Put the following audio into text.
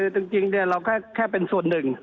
จริงเราแค่เป็นส่วนหนึ่ง